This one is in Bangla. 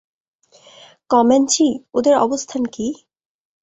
কম্যাঞ্চি, ওদের অবস্থান কী?